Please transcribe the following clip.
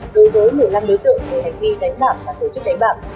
đối với một mươi năm đối tượng về hành vi đánh bạm và tổ chức đánh bạm